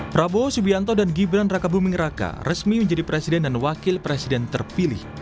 prabowo subianto dan gibran raka buming raka resmi menjadi presiden dan wakil presiden terpilih